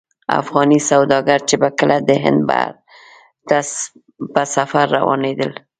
افغاني سوداګر چې به کله د هند بحر ته په سفر روانېدل.